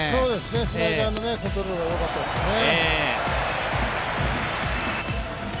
スライダーのコントロールがよかったですよね。